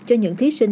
cho những thí sinh